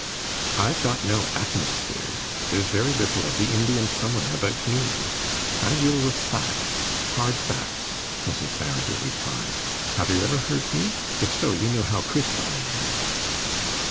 "I've got no atmosphere; there's very little of the Indian summer about me! I deal with facts hard facts," Mrs. Farrinder replied. "Have you ever heard me? If so, you know how crisp I am."